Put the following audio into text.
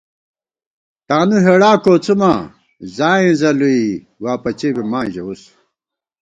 تانُو ہېڑا کوڅُوماں ځائیں ځَلُوئی، واپچے بی ماں ژَوُس